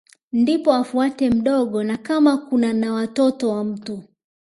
Ndipo afuate mdogo na kama kuna na watoto wa mtu